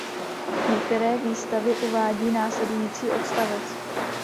Některé výstavy uvádí následující odstavec.